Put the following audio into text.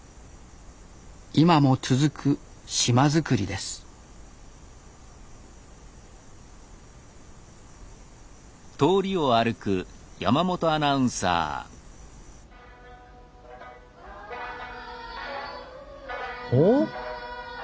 今も続く島づくりですおお？